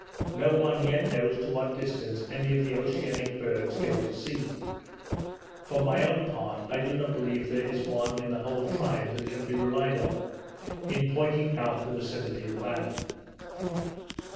No one yet knows to what distance any of the oceanic birds go to sea; for my own part, I do not believe there is one in the whole tribe that can be relied on, in pointing out the vicinity of land.